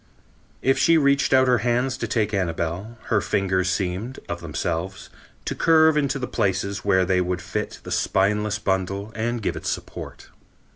If she reached out her hands to take Annabel, her fingers seemed, of themselves, to curve into the places where they would fit the spineless bundle and give it support."